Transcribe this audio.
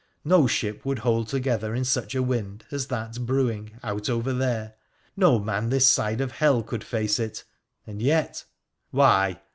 — no ship would hold together in such a wind as that brewing out over there, no man this side of hell could face it — and yet, and yet, ' Why